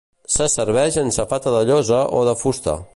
Se serveix en safata de llosa o de fusta.